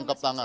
oke lah video